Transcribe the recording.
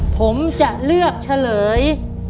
ผมจะเลือกเฉลย